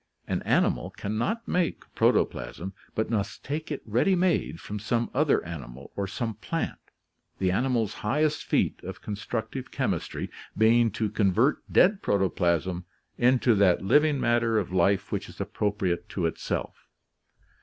An animal can not make protoplasm, but must take it ready made from some other animal, or some plant — the animal's highest feat of constructive chemistry being to convert dead protoplasm into that living matter of life which is appropriate to itself.